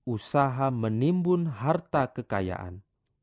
usaha menimbun harta kekayaan